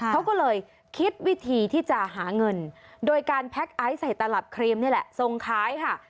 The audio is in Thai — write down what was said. เขาก็เลยคิดวิธีที่จะหาเงินโดยการแพ็คไอซ์ใส่ตลับครีมนี่แหละทรงขายค่ะ